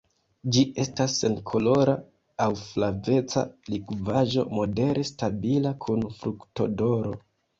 Ĝi estas senkolora aŭ flaveca likvaĵo modere stabila kun fruktodoro.